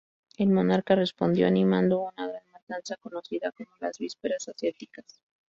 El monarca respondió animando una gran matanza, conocida como las vísperas asiáticas.